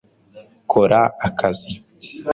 kora akazi